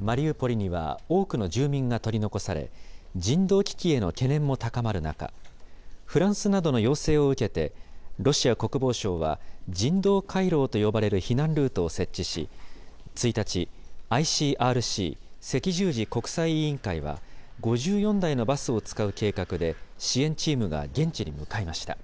マリウポリには多くの住民が取り残され、人道危機への懸念も高まる中、フランスなどの要請を受けて、ロシア国防省は人道回廊と呼ばれる避難ルートを設置し、１日、ＩＣＲＣ・赤十字国際委員会は、５４台のバスを使う計画で支援チームが現地に向かいました。